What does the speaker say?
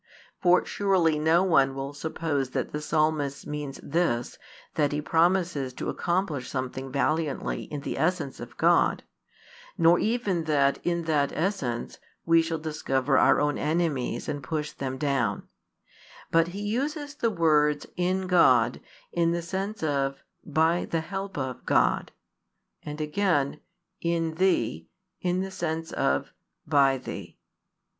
For surely no one will suppose that the Psalmist means this, that he promises to accomplish something valiantly "in the essence of God," nor even that "in that essence" we shall discover our own enemies and push them down: but he uses the words "in God" in the sense of"by [the help of] God," and again, "in Thee" in the sense of "by Thee."